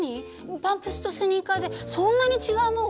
パンプスとスニーカーでそんなに違うもん？